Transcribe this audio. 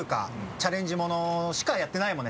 チャレンジものしかやってないもんね